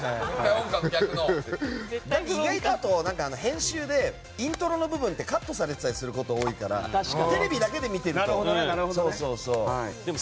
あと、意外と編集でイントロの部分ってカットされてたりすること多いからテレビだけで見てると。